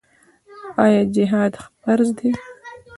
آیا جهاد فرض دی؟